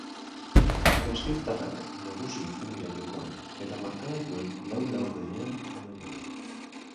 Gasteiztarrak nagusi izan dira jokoan eta markagailuan lau laurdenean amaieran.